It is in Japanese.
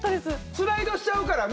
スライドしちゃうからね。